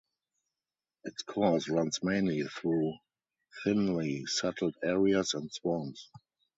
Its course runs mainly through thinly settled areas and swamps.